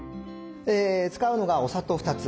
使うのがお砂糖２つ。